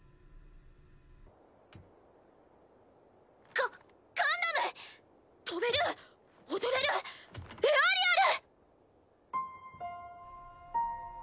ガガンダム飛べる踊れるエアリアル！